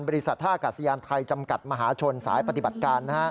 บริษัทท่ากาศยานไทยจำกัดมหาชนสายปฏิบัติการ